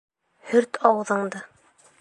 — Һөрт ауыҙыңды.